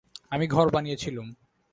আমি ঘর বানিয়েছিলুম।